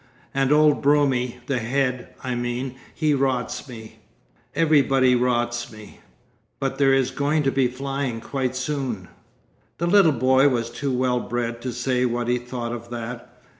'And old Broomie, the Head I mean, he rots me. Everybody rots me.' 'But there is going to be flying—quite soon.' The little boy was too well bred to say what he thought of that.